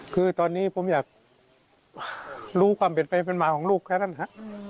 คือตอนนี้ผมอยากรู้ความเป็นไปเป็นมาของลูกแค่นั้นฮะ